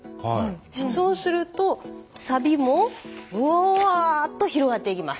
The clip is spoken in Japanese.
そうするとサビもワワワーッと広がっていきます。